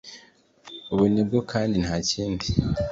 ubu ni bwo, kandi nta kindi